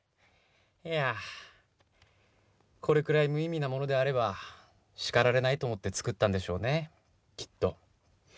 いやあこれくらい無意味なものであれば叱られないと思って作ったんでしょうねきっと。